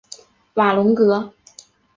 瓦龙格。